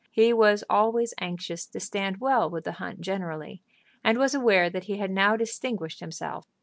He was always anxious to stand well with the hunt generally, and was aware that he had now distinguished himself.